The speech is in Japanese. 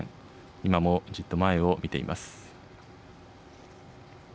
今もじっと前を見ています。